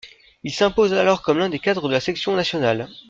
Il s'impose alors comme l'un des cadres de la sélection nationale.